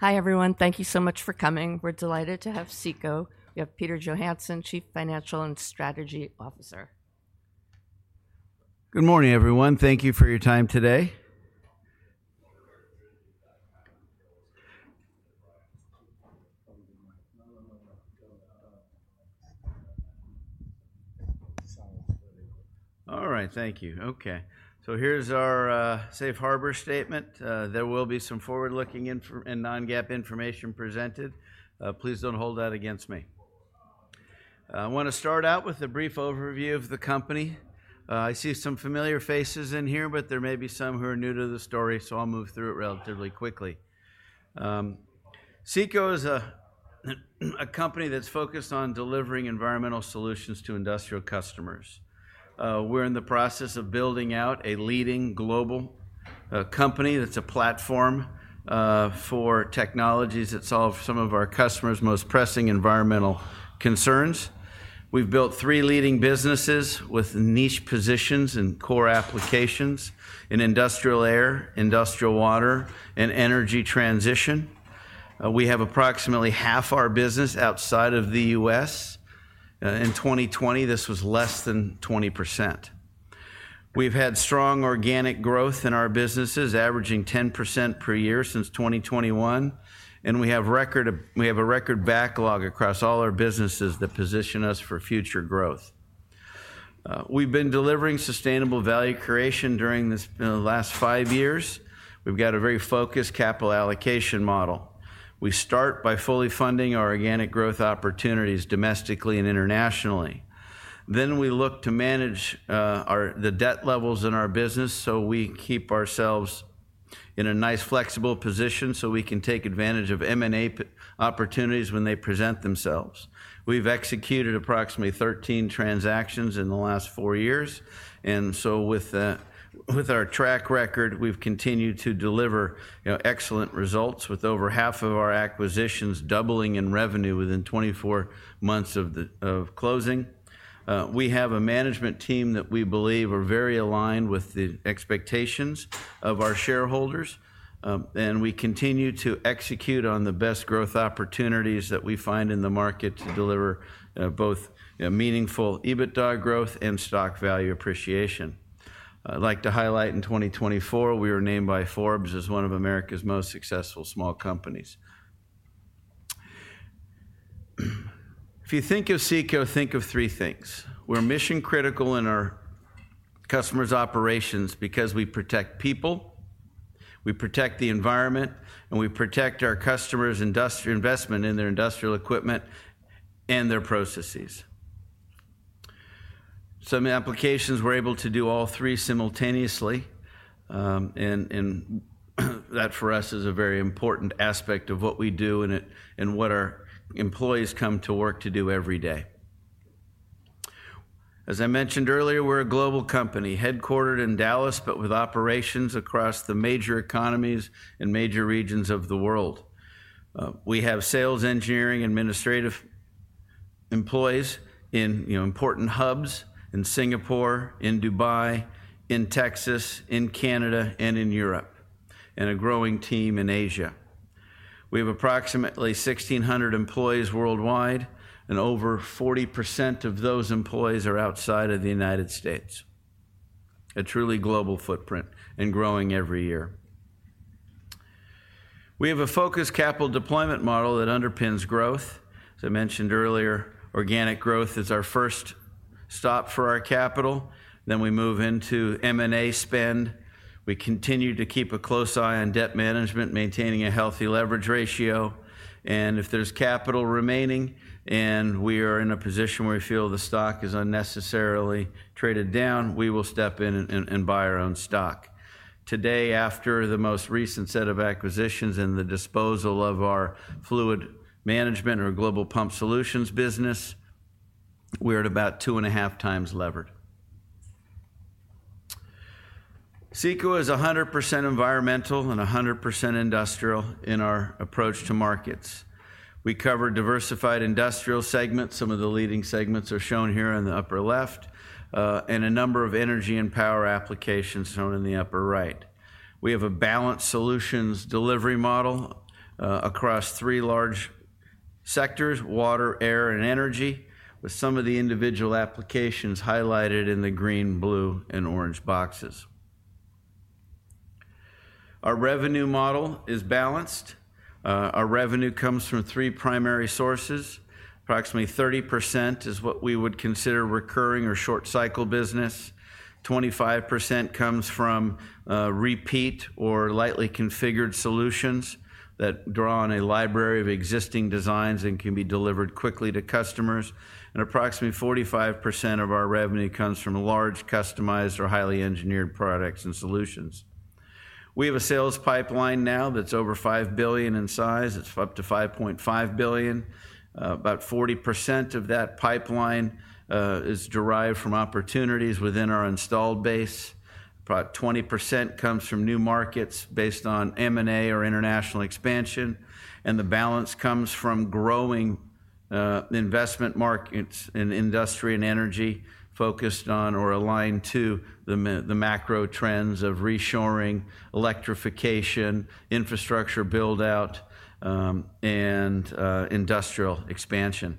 Hi everyone, thank you so much for coming. We're delighted to have CECO Environmental. We have Peter Johansson, Chief Financial and Strategy Officer. Good morning everyone, thank you for your time today. All right, thank you. Okay, so here's our safe harbor statement. There will be some forward-looking and non-GAAP information presented. Please don't hold that against me. I want to start out with a brief overview of the company. I see some familiar faces in here, but there may be some who are new to the story, so I'll move through it relatively quickly. CECO is a company that's focused on delivering environmental solutions to industrial customers. We're in the process of building out a leading global company that's a platform for technologies that solve some of our customers' most pressing environmental concerns. We've built three leading businesses with niche positions and core applications in industrial air, industrial water, and energy transition. We have approximately half our business outside of the U.S. In 2020, this was less than 20%. We've had strong organic growth in our businesses, averaging 10% per year since 2021, and we have a record backlog across all our businesses that position us for future growth. We've been delivering sustainable value creation during the last five years. We've got a very focused capital allocation model. We start by fully funding our organic growth opportunities domestically and internationally. Then we look to manage the debt levels in our business so we keep ourselves in a nice flexible position so we can take advantage of M&A opportunities when they present themselves. We've executed approximately 13 transactions in the last four years, and so with our track record, we've continued to deliver excellent results, with over half of our acquisitions doubling in revenue within 24 months of closing. We have a management team that we believe are very aligned with the expectations of our shareholders, and we continue to execute on the best growth opportunities that we find in the market to deliver both meaningful EBITDA growth and stock value appreciation. I'd like to highlight in 2024 we were named by Forbes as one of America's most successful small companies. If you think of CECO, think of three things. We're mission-critical in our customers' operations because we protect people, we protect the environment, and we protect our customers' investment in their industrial equipment and their processes. Some applications we're able to do all three simultaneously, and that for us is a very important aspect of what we do and what our employees come to work to do every day. As I mentioned earlier, we're a global company headquartered in Dallas, but with operations across the major economies and major regions of the world. We have sales, engineering, and administrative employees in important hubs in Singapore, in Dubai, in Texas, in Canada, and in Europe, and a growing team in Asia. We have approximately 1,600 employees worldwide, and over 40% of those employees are outside of the United States. A truly global footprint and growing every year. We have a focused capital deployment model that underpins growth. As I mentioned earlier, organic growth is our first stop for our capital. Then we move into M&A spend. We continue to keep a close eye on debt management, maintaining a healthy leverage ratio, and if there's capital remaining and we are in a position where we feel the stock is unnecessarily traded down, we will step in and buy our own stock. Today, after the most recent set of acquisitions and the disposal of our fluid management or Global Pump Solutions business, we're at about two and a half times levered. CECO is 100% environmental and 100% industrial in our approach to markets. We cover diversified industrial segments. Some of the leading segments are shown here on the upper left, and a number of energy and power applications shown in the upper right. We have a balanced solutions delivery model across three large sectors: water, air, and energy, with some of the individual applications highlighted in the green, blue, and orange boxes. Our revenue model is balanced. Our revenue comes from three primary sources. Approximately 30% is what we would consider recurring or short-cycle business. 25% comes from repeat or lightly configured solutions that draw on a library of existing designs and can be delivered quickly to customers. Approximately 45% of our revenue comes from large customized or highly engineered products and solutions. We have a sales pipeline now that's over $5 billion in size. It's up to $5.5 billion. About 40% of that pipeline is derived from opportunities within our installed base. About 20% comes from new markets based on M&A or international expansion, and the balance comes from growing investment markets in industry and energy focused on or aligned to the macro trends of reshoring, electrification, infrastructure build-out, and industrial expansion.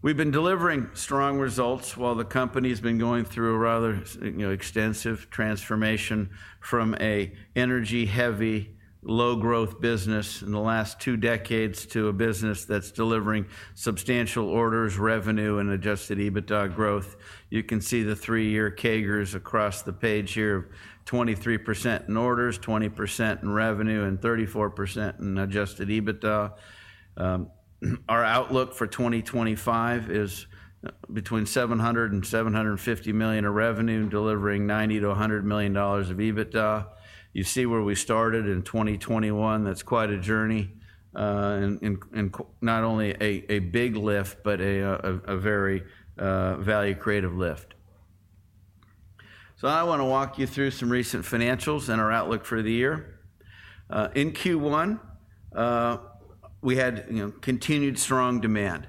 We've been delivering strong results while the company's been going through a rather extensive transformation from an energy-heavy, low-growth business in the last two decades to a business that's delivering substantial orders, revenue, and adjusted EBITDA growth. You can see the three-year CAGRs across the page here: 23% in orders, 20% in revenue, and 34% in adjusted EBITDA. Our outlook for 2025 is between $700 million and $750 million of revenue, delivering $90 million to $100 million of EBITDA. You see where we started in 2021. That's quite a journey, not only a big lift, but a very value-creative lift. I want to walk you through some recent financials and our outlook for the year. In Q1, we had continued strong demand.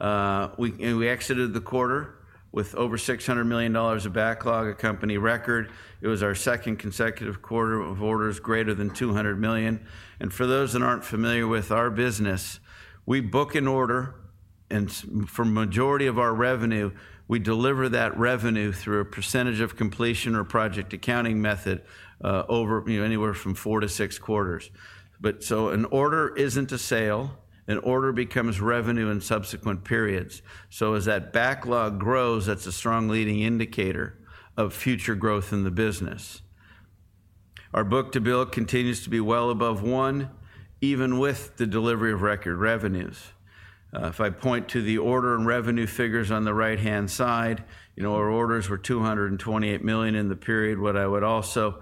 We exited the quarter with over $600 million of backlog, a company record. It was our second consecutive quarter of orders greater than $200 million. For those that aren't familiar with our business, we book an order, and for the majority of our revenue, we deliver that revenue through a percentage of completion or project accounting method over anywhere from four to six quarters. An order isn't a sale. An order becomes revenue in subsequent periods. As that backlog grows, that's a strong leading indicator of future growth in the business. Our book to bill continues to be well above one, even with the delivery of record revenues. If I point to the order and revenue figures on the right-hand side, our orders were $228 million in the period. What I would also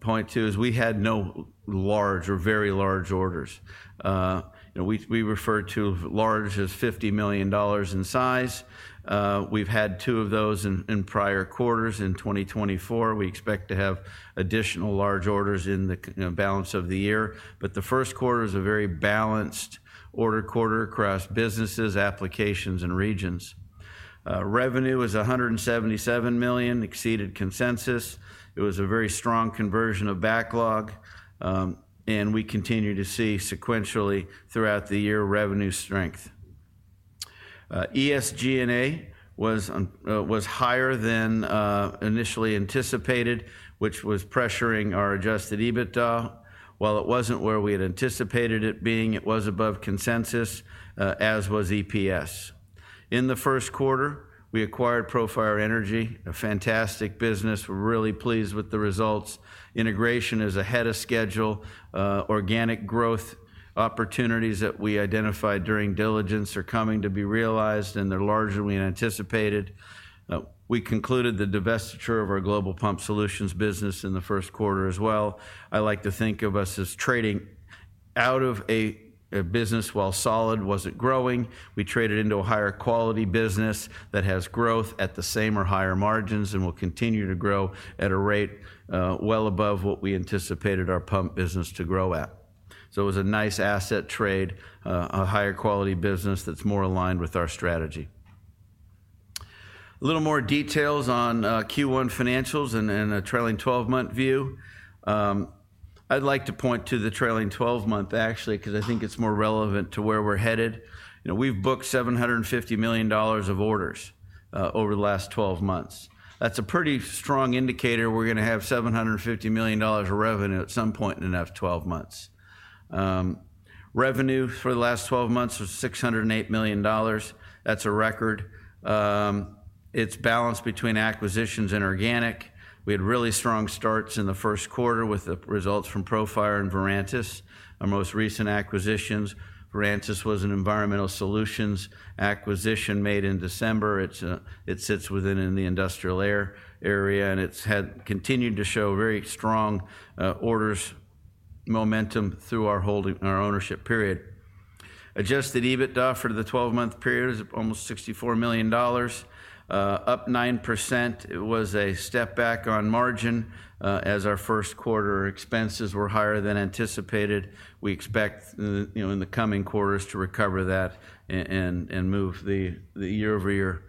point to is we had no large or very large orders. We refer to large as $50 million in size. We've had two of those in prior quarters. In 2024, we expect to have additional large orders in the balance of the year. The first quarter is a very balanced order quarter across businesses, applications, and regions. Revenue was $177 million, exceeded consensus. It was a very strong conversion of backlog, and we continue to see sequentially throughout the year revenue strength. ESG&A was higher than initially anticipated, which was pressuring our adjusted EBITDA. While it wasn't where we had anticipated it being, it was above consensus, as was EPS. In the first quarter, we acquired Profire Energy, a fantastic business. We're really pleased with the results. Integration is ahead of schedule. Organic growth opportunities that we identified during diligence are coming to be realized, and they're largely anticipated. We concluded the divestiture of our Global Pump Solutions business in the first quarter as well. I like to think of us as trading out of a business while solid wasn't growing. We traded into a higher quality business that has growth at the same or higher margins and will continue to grow at a rate well above what we anticipated our pump business to grow at. It was a nice asset trade, a higher quality business that's more aligned with our strategy. A little more details on Q1 financials and a trailing 12-month view. I'd like to point to the trailing 12-month actually because I think it's more relevant to where we're headed. We've booked $750 million of orders over the last 12 months. That's a pretty strong indicator we're going to have $750 million of revenue at some point in the next 12 months. Revenue for the last 12 months was $608 million. That's a record. It's balanced between acquisitions and organic. We had really strong starts in the first quarter with the results from Profire and Virantis, our most recent acquisitions. Virantis was an environmental solutions acquisition made in December. It sits within the industrial area, and it's continued to show very strong orders momentum through our ownership period. Adjusted EBITDA for the 12-month period is almost $64 million, up 9%. It was a step back on margin as our first quarter expenses were higher than anticipated. We expect in the coming quarters to recover that and move the year-over-year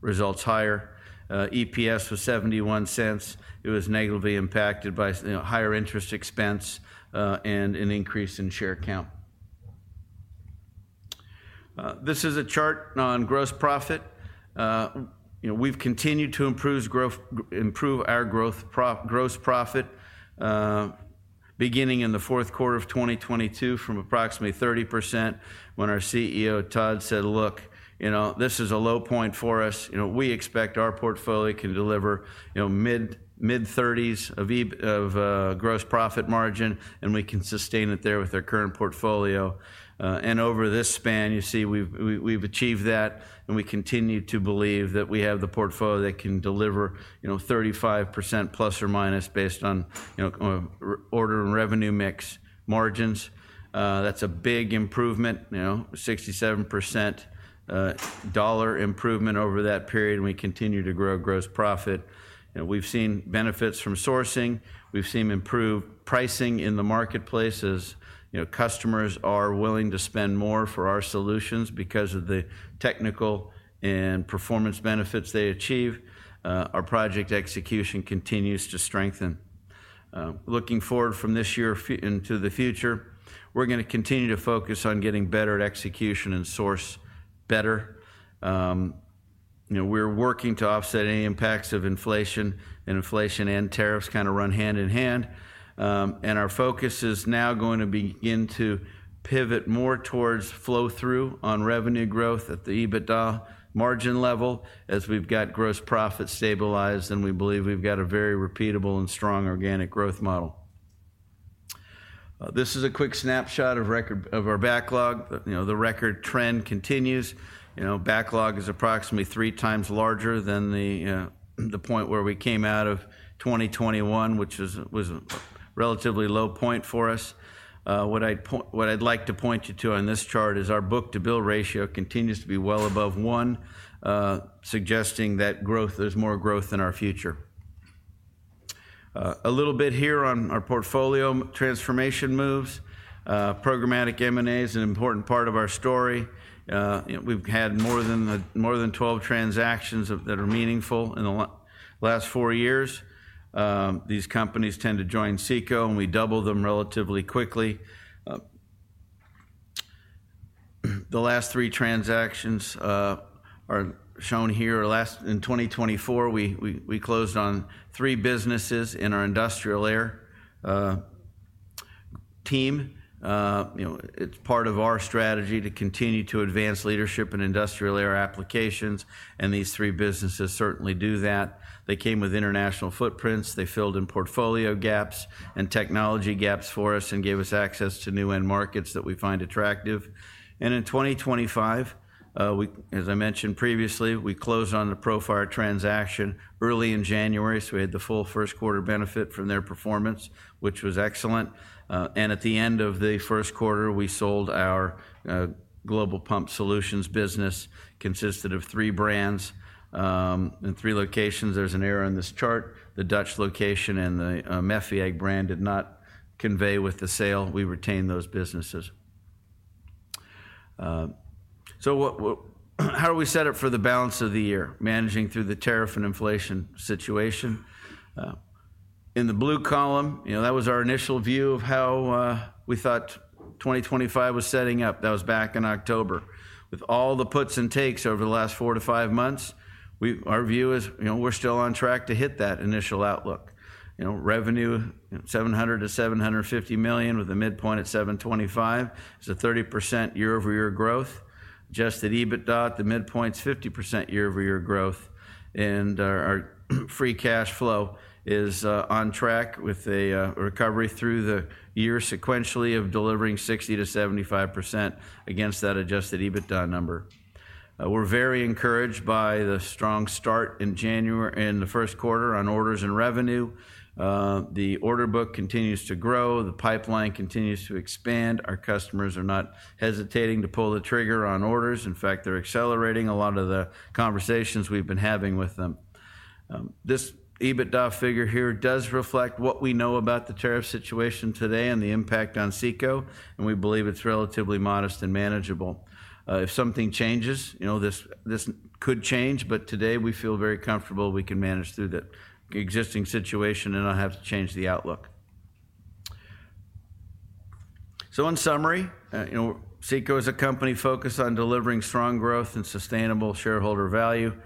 results higher. EPS was $0.71. It was negatively impacted by higher interest expense and an increase in share count. This is a chart on gross profit. We've continued to improve our gross profit beginning in the fourth quarter of 2022 from approximately 30% when our CEO, Todd, said, "Look, this is a low point for us. We expect our portfolio can deliver mid-30s of gross profit margin, and we can sustain it there with our current portfolio. Over this span, you see we've achieved that, and we continue to believe that we have the portfolio that can deliver 35% plus or minus based on order and revenue mix margins. That's a big improvement, 67% dollar improvement over that period, and we continue to grow gross profit. We've seen benefits from sourcing. We've seen improved pricing in the marketplace as customers are willing to spend more for our solutions because of the technical and performance benefits they achieve. Our project execution continues to strengthen. Looking forward from this year into the future, we're going to continue to focus on getting better at execution and source better. We're working to offset any impacts of inflation, and inflation and tariffs kind of run hand in hand. Our focus is now going to begin to pivot more towards flow-through on revenue growth at the EBITDA margin level as we've got gross profit stabilized, and we believe we've got a very repeatable and strong organic growth model. This is a quick snapshot of our backlog. The record trend continues. Backlog is approximately three times larger than the point where we came out of 2021, which was a relatively low point for us. What I'd like to point you to on this chart is our book to bill ratio continues to be well above one, suggesting that there's more growth in our future. A little bit here on our portfolio transformation moves. Programmatic M&A is an important part of our story. We've had more than 12 transactions that are meaningful in the last four years. These companies tend to join CECO, and we doubled them relatively quickly. The last three transactions are shown here. In 2024, we closed on three businesses in our industrial layer team. It's part of our strategy to continue to advance leadership in industrial layer applications, and these three businesses certainly do that. They came with international footprints. They filled in portfolio gaps and technology gaps for us and gave us access to new end markets that we find attractive. In 2025, as I mentioned previously, we closed on the Profire transaction early in January, so we had the full first quarter benefit from their performance, which was excellent. At the end of the first quarter, we sold our global pump solutions business consisted of three brands in three locations. There's an error in this chart. The Dutch location and the Meffiag brand did not convey with the sale. We retained those businesses. How do we set up for the balance of the year? Managing through the tariff and inflation situation. In the blue column, that was our initial view of how we thought 2025 was setting up. That was back in October. With all the puts and takes over the last four to five months, our view is we're still on track to hit that initial outlook. Revenue, $700 million-$750 million with a midpoint at $725 million is a 30% year-over-year growth. Adjusted EBITDA, the midpoint's 50% year-over-year growth. Our free cash flow is on track with a recovery through the year sequentially of delivering 60%-75% against that adjusted EBITDA number. We're very encouraged by the strong start in the first quarter on orders and revenue. The order book continues to grow. The pipeline continues to expand. Our customers are not hesitating to pull the trigger on orders. In fact, they're accelerating a lot of the conversations we've been having with them. This EBITDA figure here does reflect what we know about the tariff situation today and the impact on CECO, and we believe it's relatively modest and manageable. If something changes, this could change, but today we feel very comfortable we can manage through the existing situation and not have to change the outlook. In summary, CECO is a company focused on delivering strong growth and sustainable shareholder value.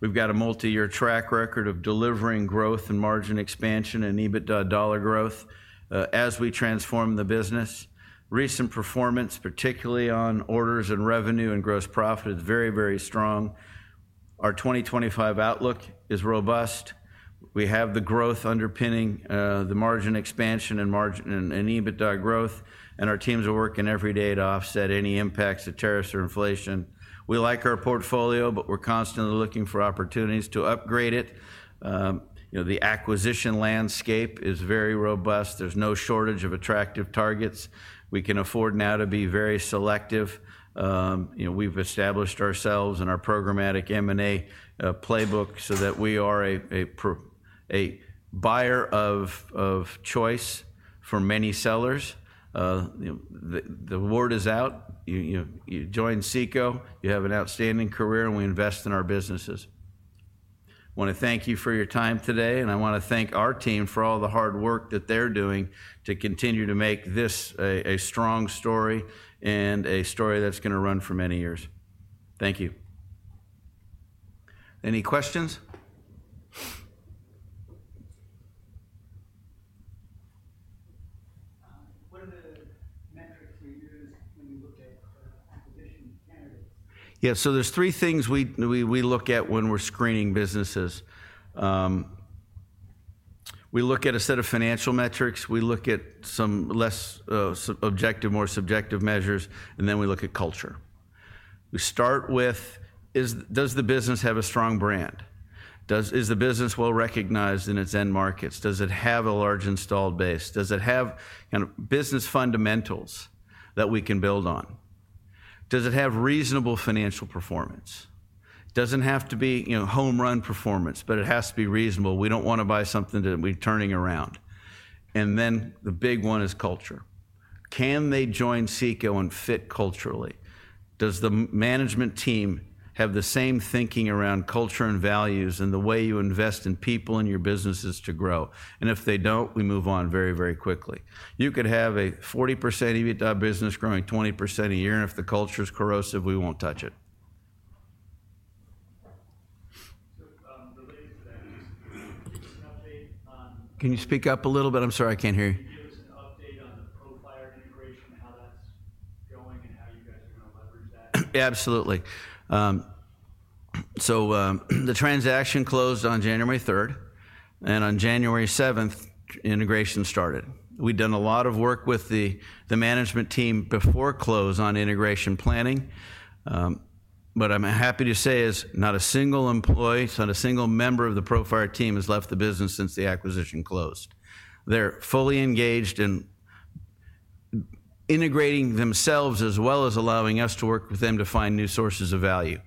We've got a multi-year track record of delivering growth and margin expansion and EBITDA dollar growth as we transform the business. Recent performance, particularly on orders and revenue and gross profit, is very, very strong. Our 2025 outlook is robust. We have the growth underpinning the margin expansion and EBITDA growth, and our teams are working every day to offset any impacts of tariffs or inflation. We like our portfolio, but we're constantly looking for opportunities to upgrade it. The acquisition landscape is very robust. There's no shortage of attractive targets. We can afford now to be very selective. We've established ourselves and our programmatic M&A playbook so that we are a buyer of choice for many sellers. The word is out. You join CECO, you have an outstanding career, and we invest in our businesses. I want to thank you for your time today, and I want to thank our team for all the hard work that they're doing to continue to make this a strong story and a story that's going to run for many years. Thank you. Any questions? What are the metrics you use when you look at acquisition candidates? Yeah, so there's three things we look at when we're screening businesses. We look at a set of financial metrics. We look at some less objective, more subjective measures, and then we look at culture. We start with, does the business have a strong brand? Is the business well recognized in its end markets? Does it have a large installed base? Does it have business fundamentals that we can build on? Does it have reasonable financial performance? Doesn't have to be home-run performance, but it has to be reasonable. We don't want to buy something that we're turning around. The big one is culture. Can they join CECO and fit culturally? Does the management team have the same thinking around culture and values and the way you invest in people and your businesses to grow? If they don't, we move on very, very quickly. You could have a 40% EBITDA business growing 20% a year, and if the culture's corrosive, we won't touch it. Can you speak up a little bit? I'm sorry, I can't hear you. [No Sound] Can you give us an update on the Profire integration, how that's going, and how you guys are going to leverage that? Absolutely. The transaction closed on January 3rd, and on January 7th, integration started. We'd done a lot of work with the management team before close on integration planning. What I'm happy to say is not a single employee, not a single member of the Profire team has left the business since the acquisition closed. They're fully engaged in integrating themselves as well as allowing us to work with them to find new sources of value.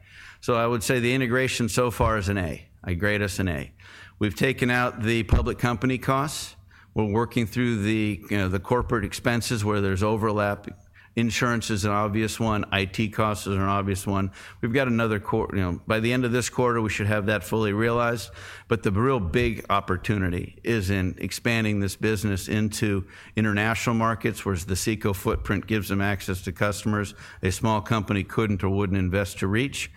I would say the integration so far is an A. I grade us an A. We've taken out the public company costs. We're working through the corporate expenses where there's overlap. Insurance is an obvious one. IT costs are an obvious one. We have got another quarter. By the end of this quarter, we should have that fully realized. The real big opportunity is in expanding this business into international markets where the CECO footprint gives them access to customers a small company could not or would not invest to reach.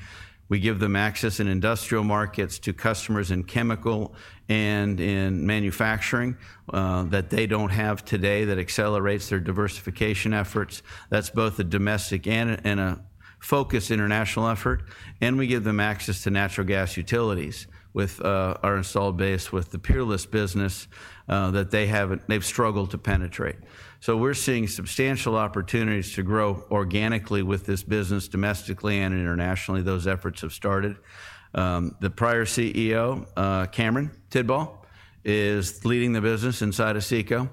We give them access in industrial markets to customers in chemical and in manufacturing that they do not have today that accelerates their diversification efforts. That is both a domestic and a focused international effort. We give them access to natural gas utilities with our installed base with the Peerless business that they have struggled to penetrate. We are seeing substantial opportunities to grow organically with this business domestically and internationally. Those efforts have started. The prior CEO, Cameron Tidball, is leading the business inside of CECO.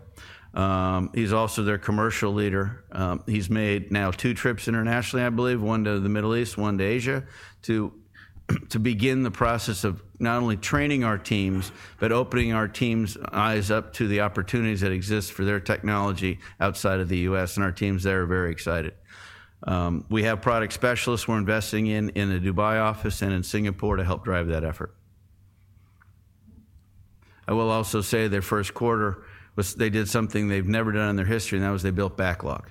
He is also their commercial leader. He's made now two trips internationally, I believe, one to the Middle East, one to Asia, to begin the process of not only training our teams, but opening our teams' eyes up to the opportunities that exist for their technology outside of the U.S. Our teams there are very excited. We have product specialists we're investing in in the Dubai office and in Singapore to help drive that effort. I will also say their first quarter, they did something they've never done in their history, and that was they built backlog.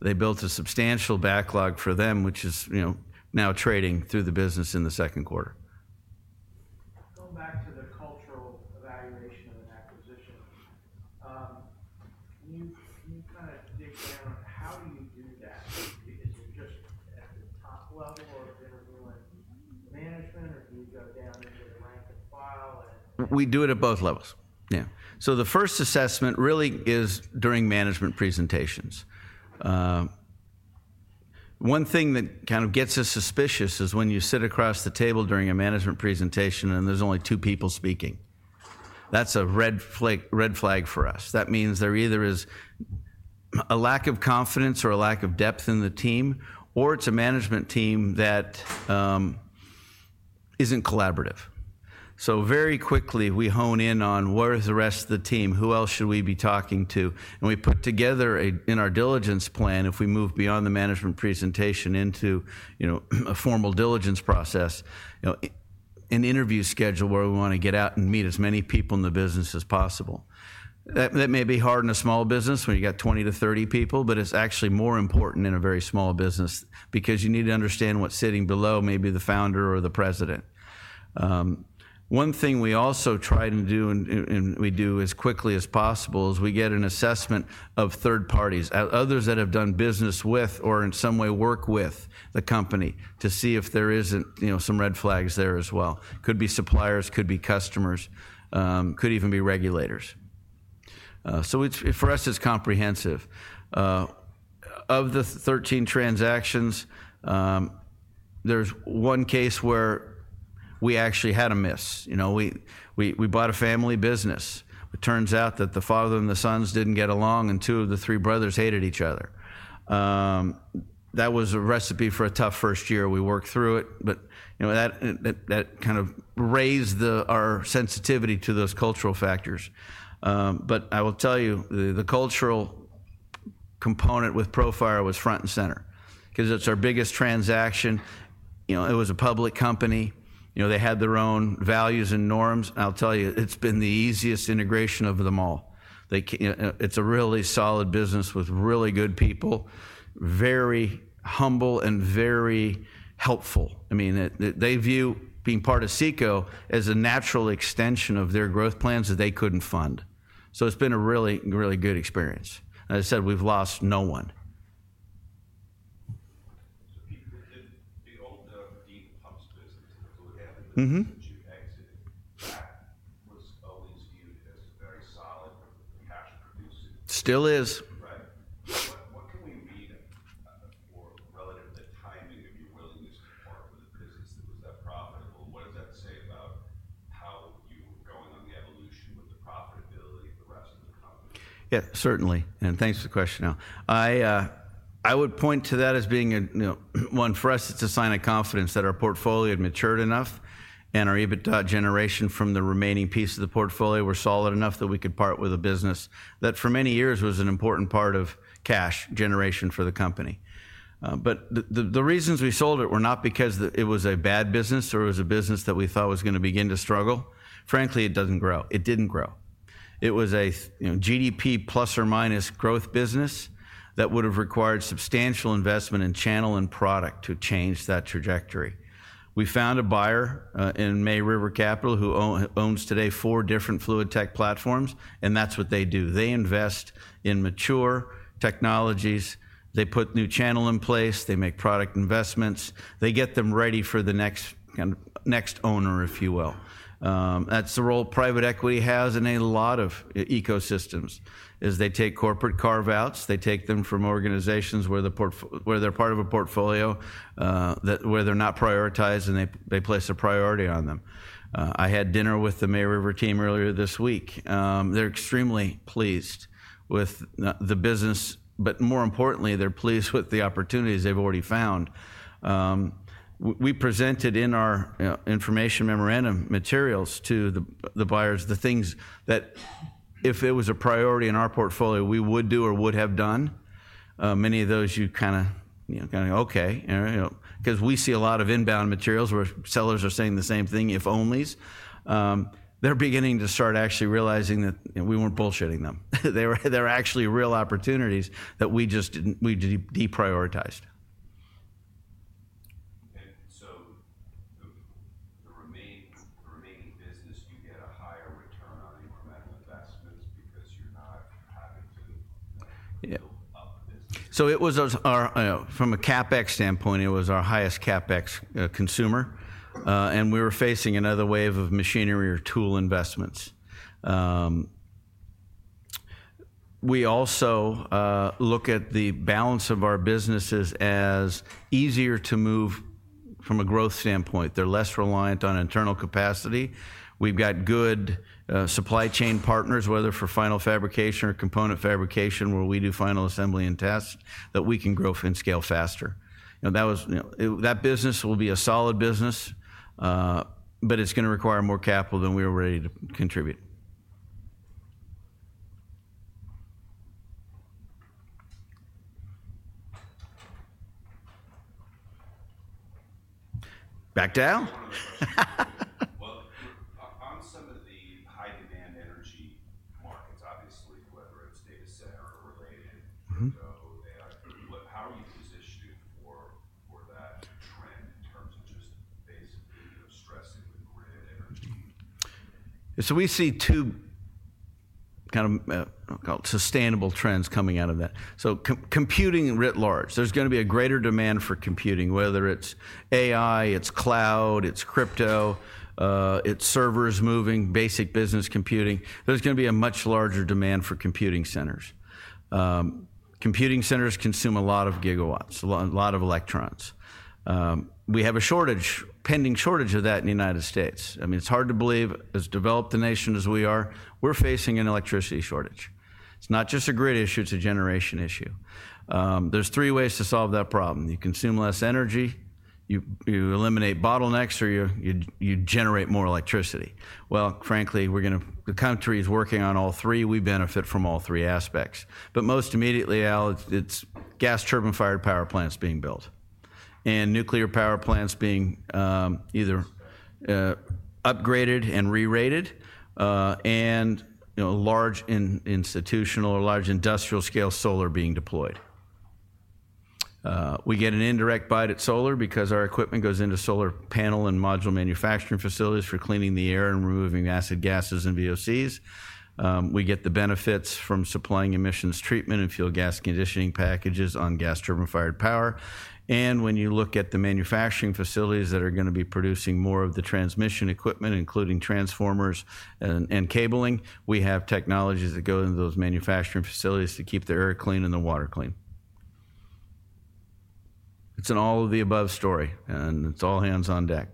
They built a substantial backlog for them, which is now trading through the business in the second quarter. Going back to the cultural evaluation of an acquisition, can you kind of dig down on how do you do that? Is it just at the top level of interviewing management, or do you go down into the rank and file and. We do it at both levels. Yeah. The first assessment really is during management presentations. One thing that kind of gets us suspicious is when you sit across the table during a management presentation and there are only two people speaking. That's a red flag for us. That means there either is a lack of confidence or a lack of depth in the team, or it's a management team that isn't collaborative. Very quickly, we hone in on where is the rest of the team, who else should we be talking to. We put together in our diligence plan, if we move beyond the management presentation into a formal diligence process, an interview schedule where we want to get out and meet as many people in the business as possible. That may be hard in a small business when you've got 20 to 30 people, but it's actually more important in a very small business because you need to understand what's sitting below maybe the founder or the president. One thing we also try to do and we do as quickly as possible is we get an assessment of third parties, others that have done business with or in some way work with the company to see if there isn't some red flags there as well. Could be suppliers, could be customers, could even be regulators. For us, it's comprehensive. Of the 13 transactions, there's one case where we actually had a miss. We bought a family business. It turns out that the father and the sons didn't get along, and two of the three brothers hated each other. That was a recipe for a tough first year. We worked through it, but that kind of raised our sensitivity to those cultural factors. I will tell you, the cultural component with Profire was front and center because it's our biggest transaction. It was a public company. They had their own values and norms. I'll tell you, it's been the easiest integration of them all. It's a really solid business with really good people, very humble and very helpful. I mean, they view being part of CECO as a natural extension of their growth plans that they couldn't fund. It's been a really, really good experience. As I said, we've lost no one. The old Global Pump Solutions business that you exited back was always viewed as very solid for cash producing. Still is. Right. What can we read relative to the timing of your willingness to part with the business that was that profitable? What does that say about how you were going on the evolution with the profitability of the rest of the company? Yeah, certainly. Thanks for the question. I would point to that as being one for us. It's a sign of confidence that our portfolio had matured enough and our EBITDA generation from the remaining piece of the portfolio were solid enough that we could part with a business that for many years was an important part of cash generation for the company. The reasons we sold it were not because it was a bad business or it was a business that we thought was going to begin to struggle. Frankly, it does not grow. It did not grow. It was a GDP plus or minus growth business that would have required substantial investment in channel and product to change that trajectory. We found a buyer in May River Capital who owns today four different fluid tech platforms, and that is what they do. They invest in mature technologies. They put new channel in place. They make product investments. They get them ready for the next owner, if you will. That is the role private equity has in a lot of ecosystems. They take corporate carve-outs. They take them from organizations where they are part of a portfolio, where they are not prioritized, and they place a priority on them. I had dinner with the May River team earlier this week. They're extremely pleased with the business, but more importantly, they're pleased with the opportunities they've already found. We presented in our information memorandum materials to the buyers the things that if it was a priority in our portfolio, we would do or would have done. Many of those you kind of go, "Okay." Because we see a lot of inbound materials where sellers are saying the same thing, if onlys. They're beginning to start actually realizing that we weren't bullshitting them. They're actually real opportunities that we just deprioritized. Okay. The remaining business, you get a higher return on incremental investments because you're not having to build up the business. It was our, from a CapEx standpoint, it was our highest CapEx consumer, and we were facing another wave of machinery or tool investments. We also look at the balance of our businesses as easier to move from a growth standpoint. They're less reliant on internal capacity. We've got good supply chain partners, whether for final fabrication or component fabrication, where we do final assembly and tests that we can grow and scale faster. That business will be a solid business, but it's going to require more capital than we are ready to contribute. Back to Al? On some of the high-demand energy markets, obviously, whether it's data center or related, how are you positioned for that trend in terms of just basically stressing with grid energy? We see two kind of, I'll call it, sustainable trends coming out of that. Computing writ large. There's going to be a greater demand for computing, whether it's AI, it's cloud, it's crypto, it's servers moving, basic business computing. There's going to be a much larger demand for computing centers. Computing centers consume a lot of gigawatts, a lot of electrons. We have a pending shortage of that in the United States. I mean, it's hard to believe as developed a nation as we are, we're facing an electricity shortage. It's not just a grid issue. It's a generation issue. There are three ways to solve that problem. You consume less energy, you eliminate bottlenecks, or you generate more electricity. Frankly, the country is working on all three. We benefit from all three aspects. Most immediately, Al, it's gas turbine-fired power plants being built and nuclear power plants being either upgraded and re-rated and large institutional or large industrial scale solar being deployed. We get an indirect bite at solar because our equipment goes into solar panel and module manufacturing facilities for cleaning the air and removing acid gases and VOCs. We get the benefits from supplying emissions treatment and fuel gas conditioning packages on gas turbine-fired power. When you look at the manufacturing facilities that are going to be producing more of the transmission equipment, including transformers and cabling, we have technologies that go into those manufacturing facilities to keep the air clean and the water clean. It's an all of the above story, and it's all hands on deck.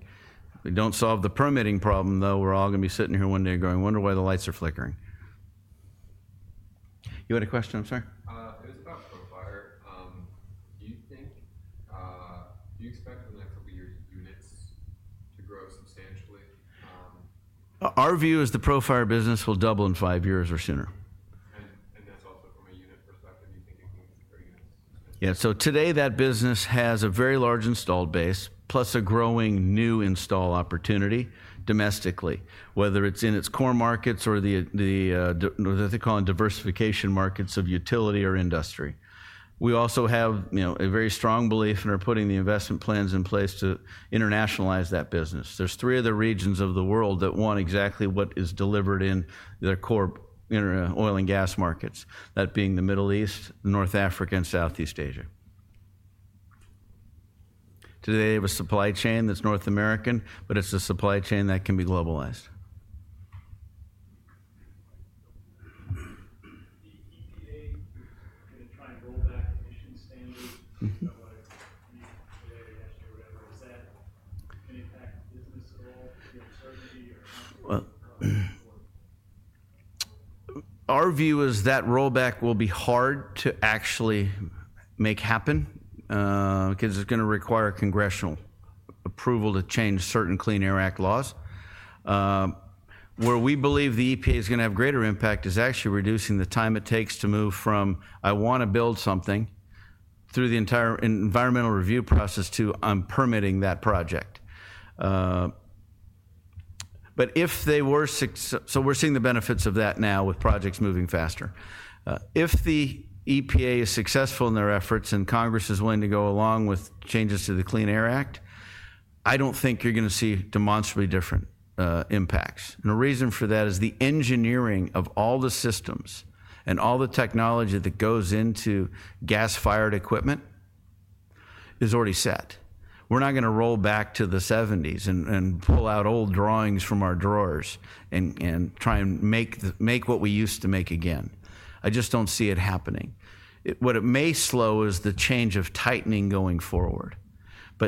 We do not solve the permitting problem, though. We are all going to be sitting here one day going, "I wonder why the lights are flickering." You had a question, I'm sorry? It was about Profire. Do you expect in the next couple of years units to grow substantially? Our view is the Profire business will double in five years or sooner. That's also from a unit perspective. Do you think it can grow units? Yeah. Today, that business has a very large installed base, plus a growing new install opportunity domestically, whether it's in its core markets or the, what they call diversification markets of utility or industry. We also have a very strong belief in putting the investment plans in place to internationalize that business. There are three other regions of the world that want exactly what is delivered in their core oil and gas markets, that being the Middle East, North Africa, and Southeast Asia. Today, we have a supply chain that's North American, but it's a supply chain that can be globalized. The EPA is going to try and roll back emissions standards. I wonder if today, yesterday, whatever, is that going to impact business at all? Do you have certainty or? Our view is that rollback will be hard to actually make happen because it's going to require congressional approval to change certain Clean Air Act laws. Where we believe the EPA is going to have greater impact is actually reducing the time it takes to move from, "I want to build something," through the entire environmental review process to permitting that project. We're seeing the benefits of that now with projects moving faster. If the EPA is successful in their efforts and Congress is willing to go along with changes to the Clean Air Act, I don't think you're going to see demonstrably different impacts. The reason for that is the engineering of all the systems and all the technology that goes into gas-fired equipment is already set. We're not going to roll back to the 1970s and pull out old drawings from our drawers and try and make what we used to make again. I just don't see it happening. What it may slow is the change of tightening going forward.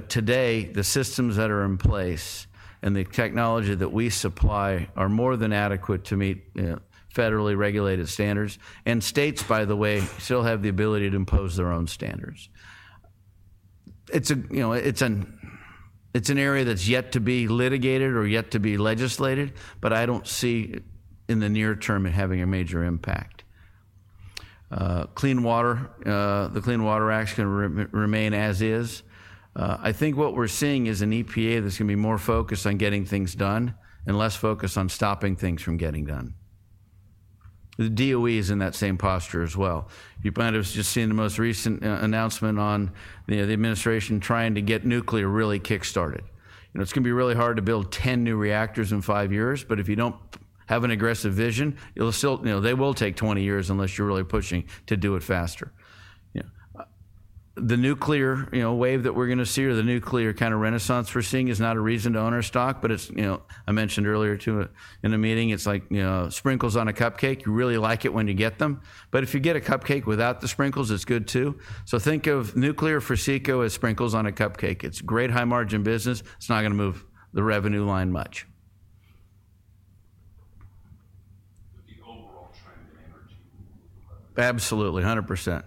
Today, the systems that are in place and the technology that we supply are more than adequate to meet federally regulated standards. States, by the way, still have the ability to impose their own standards. It's an area that's yet to be litigated or yet to be legislated, but I don't see in the near term it having a major impact. Clean Water, the Clean Water Act's going to remain as is. I think what we're seeing is an EPA that's going to be more focused on getting things done and less focused on stopping things from getting done. The DOE is in that same posture as well. You might have just seen the most recent announcement on the administration trying to get nuclear really kick-started. It's going to be really hard to build 10 new reactors in five years, but if you don't have an aggressive vision, they will take 20 years unless you're really pushing to do it faster. The nuclear wave that we're going to see or the nuclear kind of renaissance we're seeing is not a reason to own our stock, but I mentioned earlier too in the meeting, it's like sprinkles on a cupcake. You really like it when you get them, but if you get a cupcake without the sprinkles, it's good too. Think of nuclear for CECO as sprinkles on a cupcake. It's a great high-margin business. It's not going to move the revenue line much. The overall trend in energy. Absolutely. 100%.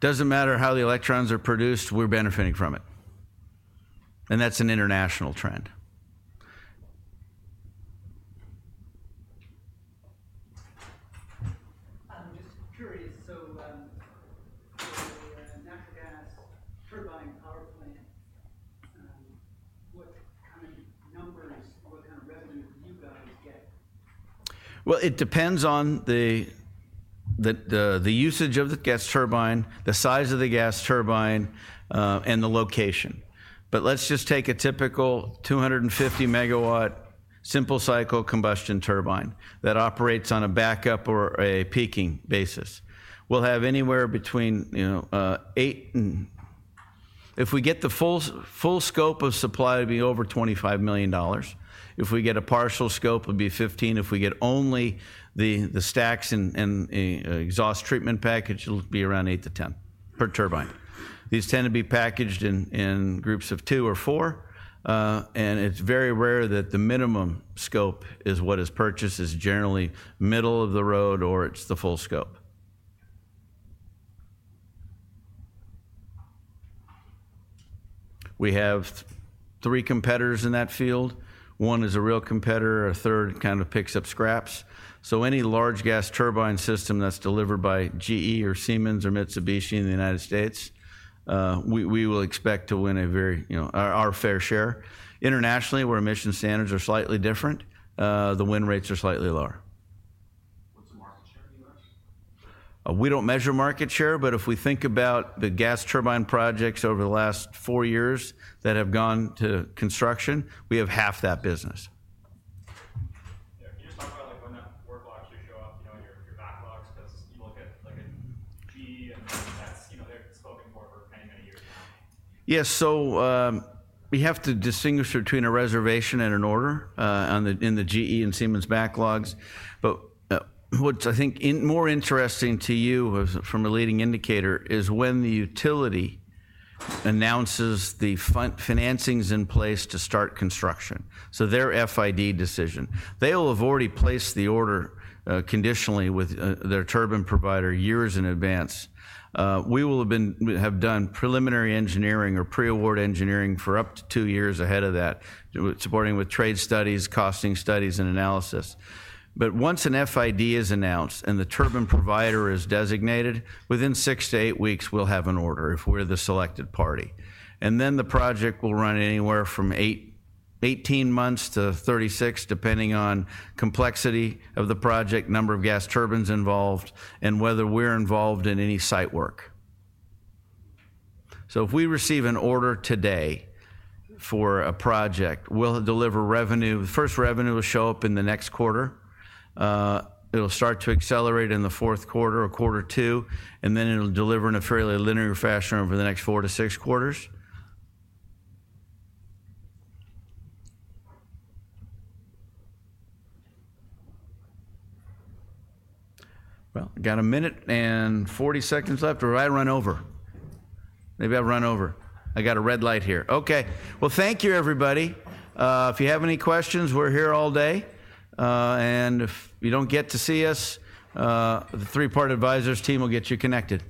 Doesn't matter how the electrons are produced, we're benefiting from it. And that's an international trend. I'm just curious. The natural gas turbine power plant, what kind of numbers or what kind of revenue do you guys get? It depends on the usage of the gas turbine, the size of the gas turbine, and the location. Let's just take a typical 250-megawatt simple cycle combustion turbine that operates on a backup or a peaking basis. We'll have anywhere between $8 million and if we get the full scope of supply, it'd be over $25 million. If we get a partial scope, it'd be $15 million. If we get only the stacks and exhaust treatment package, it'll be around $8 million-$10 million per turbine. These tend to be packaged in groups of two or four, and it's very rare that the minimum scope is what is purchased. It is generally middle of the road or it's the full scope. We have three competitors in that field. One is a real competitor. A third kind of picks up scraps. Any large gas turbine system that's delivered by GE or Siemens or Mitsubishi in the United States, we will expect to win our fair share. Internationally, where emission standards are slightly different, the win rates are slightly lower. What's the market share in the U.S.? We don't measure market share, but if we think about the gas turbine projects over the last four years that have gone to construction, we have half that business. Can you just talk about when the work logs do show up in your backlogs because you look at GE and that's they're scoping for for many, many years now? Yeah. We have to distinguish between a reservation and an order in the GE and Siemens backlogs. What's, I think, more interesting to you from a leading indicator is when the utility announces the financing's in place to start construction. Their FID decision. They will have already placed the order conditionally with their turbine provider years in advance. We will have done preliminary engineering or pre-award engineering for up to two years ahead of that, supporting with trade studies, costing studies, and analysis. Once an FID is announced and the turbine provider is designated, within six to eight weeks, we'll have an order if we're the selected party. The project will run anywhere from 18 months to 36, depending on complexity of the project, number of gas turbines involved, and whether we are involved in any site work. If we receive an order today for a project, we will deliver revenue. The first revenue will show up in the next quarter. It will start to accelerate in the fourth quarter, or quarter two, and then it will deliver in a fairly linear fashion over the next four to six quarters. I have a minute and 40 seconds left, or I run over. Maybe I run over. I have a red light here. Okay. Thank you, everybody. If you have any questions, we are here all day. If you do not get to see us, the three-part advisors team will get you connected. Thank you.